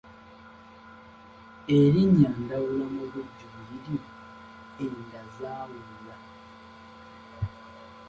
Erinnya Ndawula mubujjuvu liri Enda zaawula.